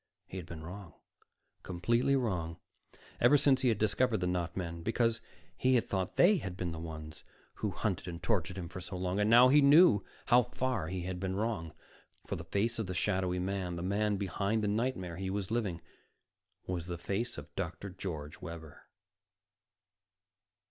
He had been wrong, completely wrong, ever since he had discovered the not men. Because he had thought they had been the ones who hunted and tortured him for so long. And now he knew how far he had been wrong. For the face of the shadowy man, the man behind the nightmare he was living, was the face of Dr. George Webber.